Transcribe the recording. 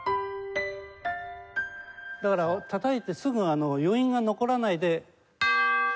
だからたたいてすぐ余韻が残らないで。